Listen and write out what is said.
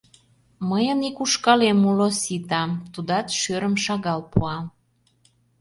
— Мыйын ик ушкалем уло, сита, тудат шӧрым шагал пуа.